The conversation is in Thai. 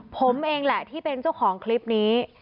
ผมเองแหละที่เป็นเจ้าของคลิปนี้